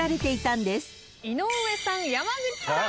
井上さん山口さん